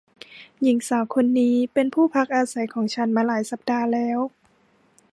หญิงสาวคนนี้เป็นผู้พักอาศัยของฉันมาหลายสัปดาห์แล้ว